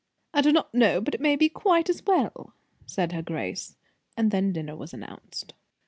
"I do not know but it may be quite as well," said her grace; and then dinner was announced.